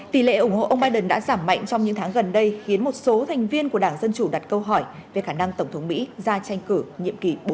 tỷ lệ ủng hộ ông biden đã giảm mạnh trong những tháng gần đây khiến một số thành viên của đảng dân chủ đặt câu hỏi về khả năng tổng thống mỹ ra tranh cử nhiệm kỳ bốn